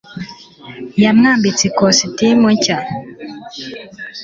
yamwambitse ikositimu nshya